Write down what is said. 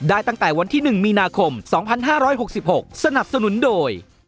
ตั้งแต่วันที่๑มีนาคม๒๕๖๖สนับสนุนโดย